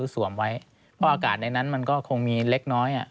สวมไว้เพราะอากาศในนั้นมันก็คงมีเล็กน้อย